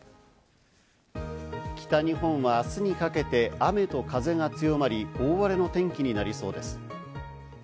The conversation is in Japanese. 北日本は明日にかけて雨と風が強まり、大荒れの天気になりそうです。